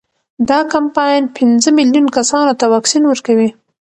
دا کمپاین پنځه میلیون کسانو ته واکسین ورکوي.